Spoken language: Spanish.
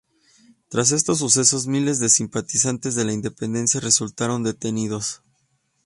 Tras estos sucesos, miles de simpatizantes de la independencia resultaron detenidos.